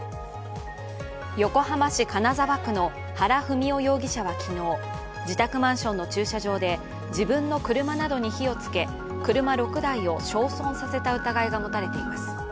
横浜市金沢区の原文雄容疑者は昨日、自宅マンションの駐車場で自分の車などに火をつけ車６台を焼損させた疑いが持たれています。